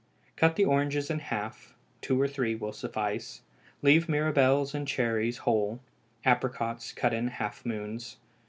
Cut the oranges in half two or three will suffice leave mirabelles and cherries whole; apricots cut in half moons.